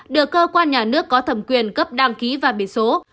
được cơ quan nhà nước có thẩm quyền cấp đăng ký và biển số